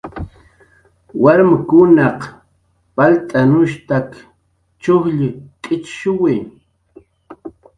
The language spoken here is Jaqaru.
Warmkunaq palt'anushtak chujll k'ichshuwi.